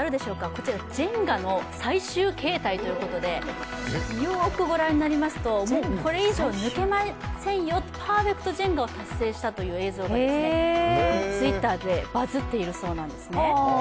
こちらジェンガの最終形態ということで、よーくご覧になりますとこれ以上抜けませんよ、パーフェクトジェンガが発生したという映像でＴｗｉｔｔｅｒでバズっているそうなんですね。